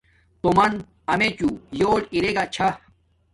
تومن امیچوں یول دیگا چھا